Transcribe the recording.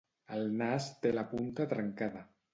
El nas té la punta trencada.